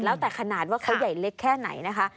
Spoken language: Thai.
แล้วแต่ขนาดว่าเขาใหญ่เล็กแค่ไหนนะคะ